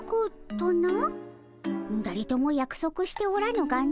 だれともやくそくしておらぬがの。